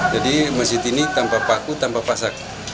jadi masjid ini tanpa paku tanpa pasak